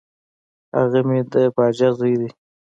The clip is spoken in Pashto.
هغه مي د باجه زوی دی .